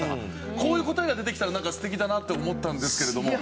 こういう答えが出てきたらなんか素敵だなって思ったんですけれども。